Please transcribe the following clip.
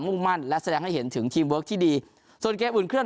่งมั่นและแสดงให้เห็นถึงทีมเวิร์คที่ดีส่วนเกมอุ่นเครื่อง